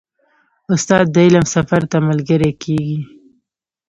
استاد د علم سفر ته ملګری کېږي.